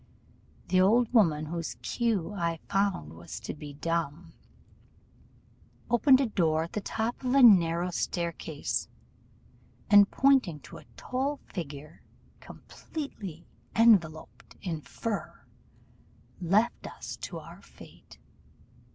The old woman, whose cue I found was to be dumb, opened a door at the top of a narrow staircase, and pointing to a tall figure, completely enveloped in fur, left us to our fate.